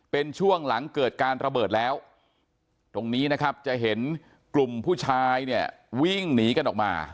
เป็นช่วงหลังเกิดการระเบิดแล้วตรงนี้นะครับจะเห็นกลุ่มผู้ชายเนี่ยวิ่งหนีกันออกมา